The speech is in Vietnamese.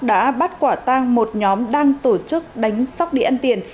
đã bắt quả tang một nhóm đang tổ chức đánh sóc địa ăn tiền